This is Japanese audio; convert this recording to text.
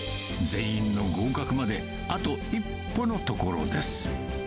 全員の合格まであと一歩のところです。